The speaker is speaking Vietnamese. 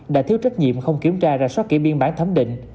đã thiếu trách nhiệm không kiểm tra rà soát kỹ biên bản thấm định